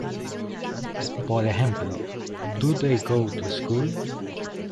Por ejemplo: "Do they go to school?